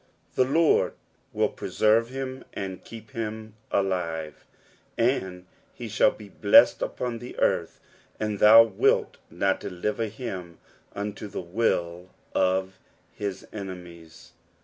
2 The LoRU will preserve him, and keep him alive ; aruf he shall be blessed upon the earth : and thou wilt not deliver him unto the will of his enemies.